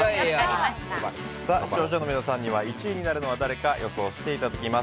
視聴者の皆さんには１位になるのは誰か予想していただきます。